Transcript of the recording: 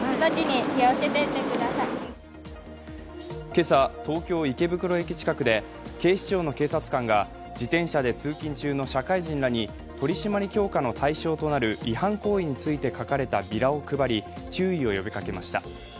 今朝、東京・池袋駅近くで警視庁の警察官が自転車で通勤中の社会人らに取り締まり強化の対象となる違反行為について書かれたビラを配り、注意を呼びかけました。